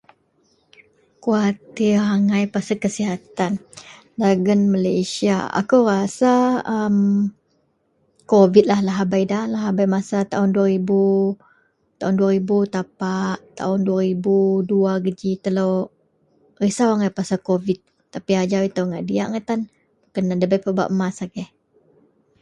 Kuatir angai pasel kesihatan dagen Malaysia, akou rasa a ehm kobik lahabei da masa taon dua ribu, taon dua ribu tapak dua ribu dua geji. Telo risau angai pasel kobik tapi ajau ito ngak diyak tan kena nda pebak mas agei.